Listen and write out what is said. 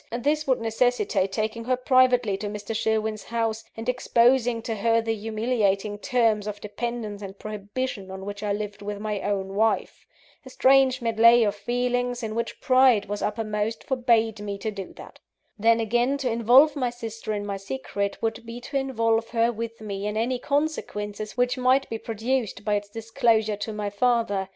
This would necessitate taking her privately to Mr. Sherwin's house, and exposing to her the humiliating terms of dependence and prohibition on which I lived with my own wife. A strange medley of feelings, in which pride was uppermost, forbade me to do that. Then again, to involve my sister in my secret, would be to involve her with me in any consequences which might be produced by its disclosure to my father.